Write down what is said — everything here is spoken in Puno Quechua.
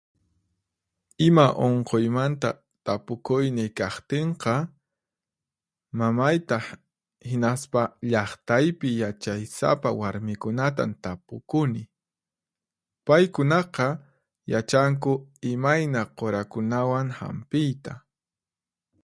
Ima unquymanta tapukuyniy kaqtinqa, mamayta, hinaspa llaqtaypi yachaysapa warmikunatan tapukuni. Paykunaqa yachanku imayna qurakunawan hampiyta.